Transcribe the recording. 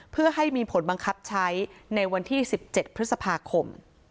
เพื่อให้มีผลบังคับใช้ในวันที่๑๗พฤษภาคม